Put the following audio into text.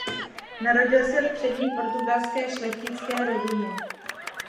Narodil se v přední portugalské šlechtické rodině.